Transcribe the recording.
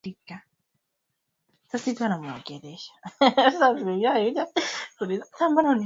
inaonekana wengi wakilalama kwamba nidhamu imeshuka ndio maana inachangia kwa kiasi kikubwa